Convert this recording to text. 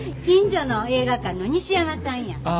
近所の映画館の西山さんや。